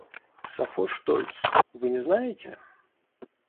Сафо Штольц вы не знаете?